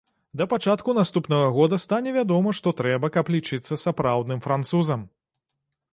Да пачатку наступнага года стане вядома, што трэба, каб лічыцца сапраўдным французам.